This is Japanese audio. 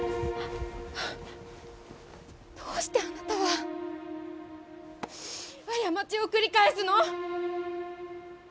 どうしてあなたは過ちを繰り返すの？